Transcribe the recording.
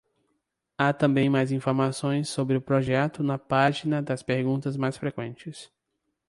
Há também mais informações sobre o projeto na página das perguntas mais frequentes.